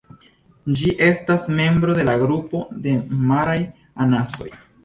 Ĝi estas membro de la grupo de maraj anasoj.